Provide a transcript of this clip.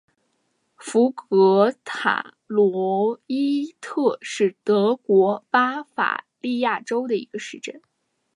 福格塔罗伊特是德国巴伐利亚州的一个市镇。